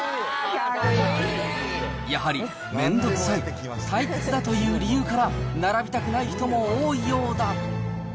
やはり、めんどくさい、退屈だという理由から並びたくない人も多いようだ。